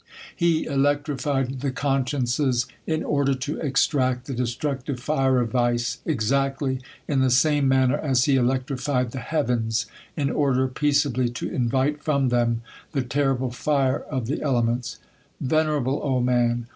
He electrified the consciences, in order to extract the destructive fire of vice, exactly in the same manner as he electrified the heavens, in order peaceably to invite from them the terrible fire of the elements. Venerable old man